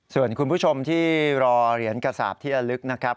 ส่วนคุณผู้ชมที่รอเหรียญกระสาปที่ละลึกนะครับ